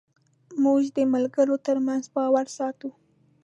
موږ د ملګرو تر منځ باور ساتو.